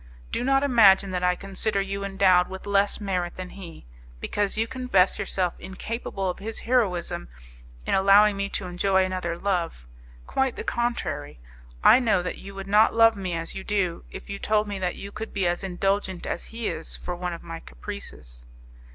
Do not imagine that I consider you endowed with less merit than he, because you confess yourself incapable of his heroism in allowing me to enjoy another love. Quite the contrary; I know that you would not love me as you do, if you told me that you could be as indulgent as he is for one of my caprices."